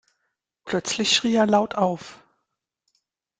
Plötzlich schrie er laut auf.